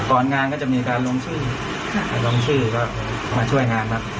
งานก็จะมีการลงชื่อลงชื่อก็มาช่วยงานครับ